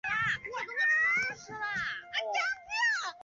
上唇腹面有一突起。